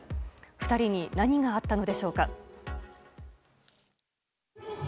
２人に何があったのでしょうか。